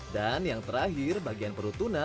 dan yang terakhir bagian perut tuna